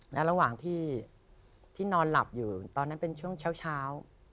และระหว่างที่นอนหลับอยู่ตอนนั้นเป็นช่วงเช้า